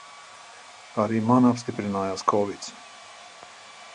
Arī man apstiprinājās kovids.